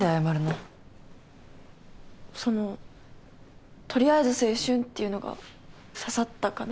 その取りあえず青春っていうのが刺さったかな。